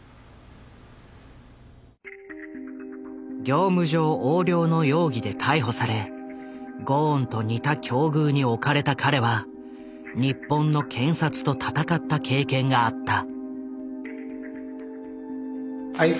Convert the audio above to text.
業務上横領の容疑で逮捕されゴーンと似た境遇に置かれた彼は日本の検察と戦った経験があった。